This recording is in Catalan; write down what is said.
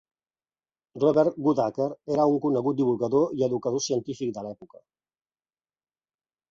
Robert Goodacre era un conegut divulgador i educador científic de l'època.